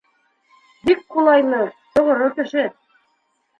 Бик ҡулайлы, тоғро кеше.